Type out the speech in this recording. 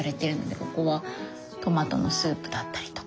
ここはトマトのスープだったりとか。